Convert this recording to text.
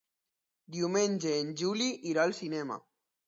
Diumenge en Juli irà al cinema.